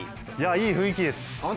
いい雰囲気です！